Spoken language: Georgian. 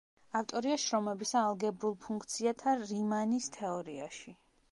ავტორია შრომებისა ალგებრულ ფუნქციათა რიმანის თეორიაში.